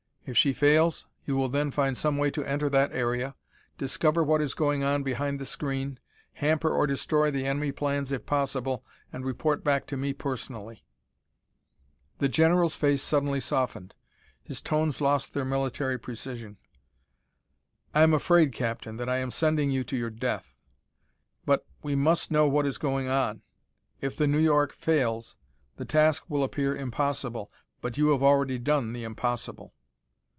If she fails, you will then find some way to enter that area, discover what is going on behind the screen, hamper or destroy the enemy plans if possible and report back to me personally." The general's face suddenly softened. His tones lost their military precision. "I am afraid, Captain, that I am sending you to your death. But we must know what is going on. If the New York fails, the task will appear impossible, but you have already done the impossible."